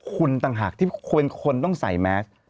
มันมีอาการที่คนต้องใส่แม็กซ์